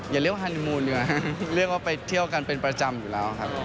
อย่าเรียกว่าฮานีมูลดีกว่าเรียกว่าไปเที่ยวกันเป็นประจำอยู่แล้วครับ